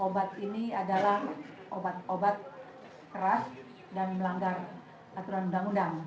obat ini adalah obat obat keras dan melanggar aturan undang undang